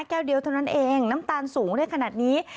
แก้วเดียวเท่านั้นเองน้ำตาลสูงได้ขนาดนี้